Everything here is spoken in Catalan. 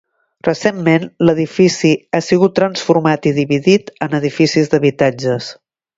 Recentment l'edifici ha sigut transformat i dividit en edificis d'habitatges.